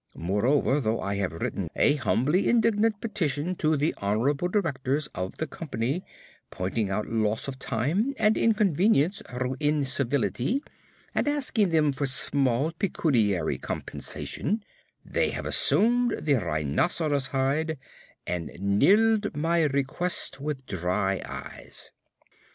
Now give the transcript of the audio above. Moreover, though I have written a humbly indignant petition to the Hon'ble Directors of the Company pointing out loss of time and inconvenience through incivility, and asking them for small pecuniary compensation, they have assumed the rhinoceros hide, and nilled my request with dry eyes.